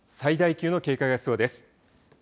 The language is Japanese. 最大級の警戒が必要です。